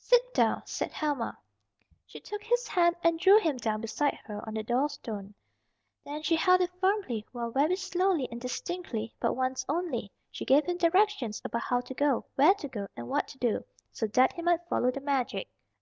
"Sit down," said Helma. She took his hand and drew him down beside her on the door stone. Then she held it firmly while very slowly and distinctly, but once only, she gave him directions about how to go, where to go and what to do, so that he might follow the magic.